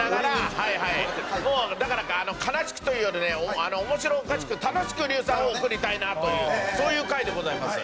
もうだから悲しくというよりね面白おかしく楽しく竜さんを送りたいなというそういう回でございます。